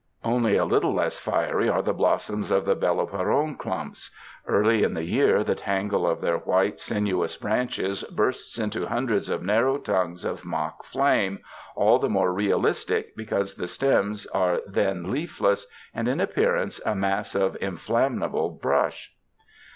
Only a little less fiery are the blossoms of the beloperone clumps. Early in the year the tangle of their white, sinuous branches bursts into hundreds of narrow tongues of mock flame, all the more realistic, because the stems are then leafless, and in appearance a mass of in flammable brush.